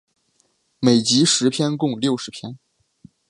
每集十篇共六十篇。